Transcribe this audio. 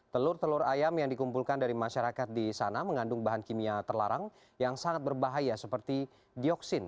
telur telur ayam yang dikumpulkan dari masyarakat di sana mengandung bahan kimia terlarang yang sangat berbahaya seperti dioksin